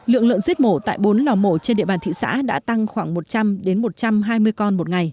lượng lợn giết mổ tại bốn lò mổ trên địa bàn thị xã đã tăng khoảng một trăm linh một trăm hai mươi con một ngày